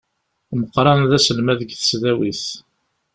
Meqran d aselmad deg tesdawit.